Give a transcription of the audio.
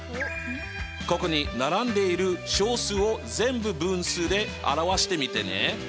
ここに並んでいる小数を全部分数で表してみてね。